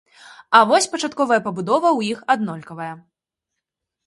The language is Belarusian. А вось пачатковая пабудова ў іх аднолькавая.